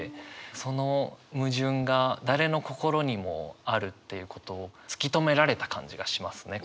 その矛盾が誰の心にもあるっていうことを突き止められた感じがしますね。